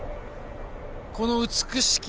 この美しき